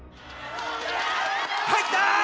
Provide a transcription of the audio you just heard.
入った！